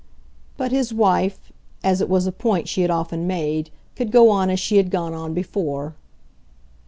But his wife, as it was a point she had often made, could go on as she had gone on before.